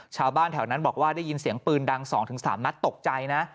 ชาวบ้านแถวนั้นบอกว่าได้ยินเสียงปืนดัง๒๓นัดตกใจนะ